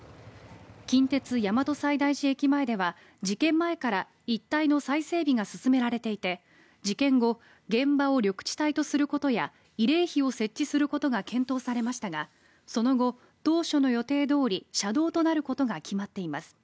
近鉄大和西大寺駅前では事件前から一帯の再整備が進められていて事件後現場を緑地帯とすることや慰霊碑を設置することが検討されましたがその後、当初の予定どおり車道となることが決まっています。